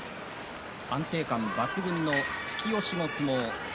安定感抜群の突き押しの相撲。